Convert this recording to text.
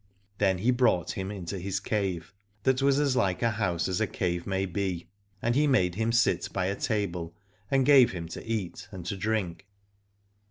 Then he brought him into his cave, that was as like a house as a cave may be, and he made him sit by a table, and gave him to eat and to drink.